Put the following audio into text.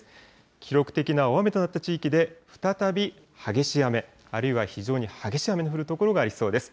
記録的な大雨となった地域で再び激しい雨、あるいは非常に激しい雨の降る所がありそうです。